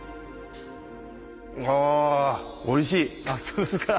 あおいしい。